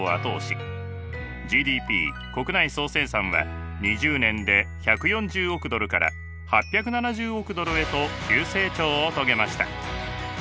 ＧＤＰ国内総生産は２０年で１４０億ドルから８７０億ドルへと急成長を遂げました。